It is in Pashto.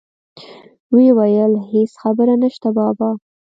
ويې ويل هېڅ خبره نشته بابا.